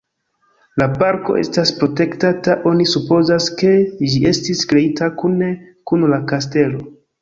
La parko estas protektata, oni supozas, ke ĝi estis kreita kune kun la kastelo.